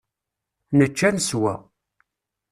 Nečča neswa.